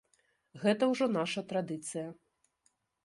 Гэта ўжо наша традыцыя.